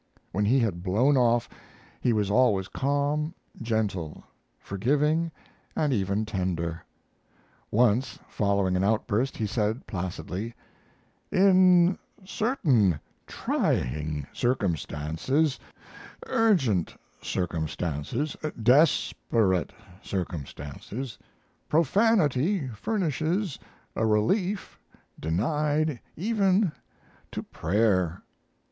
When he had blown off he was always calm, gentle; forgiving, and even tender. Once following an outburst he said, placidly: "In certain trying circumstances, urgent circumstances, desperate circumstances, profanity furnishes a relief denied even to prayer."